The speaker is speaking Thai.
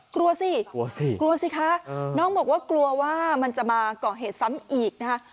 กลัวสิกลัวสิกลัวสิคะน้องบอกว่ากลัวว่ามันจะมาก่อเหตุซ้ำอีกนะคะ